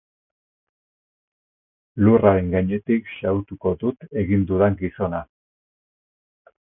Lurraren gainetik xahutuko dut egin dudan gizona.